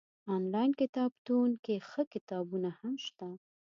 انلاين کتابتون کي ښه کتابونه هم شته